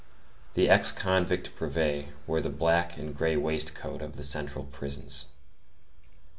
The ex convict Brevet wore the black and gray waistcoat of the central prisons.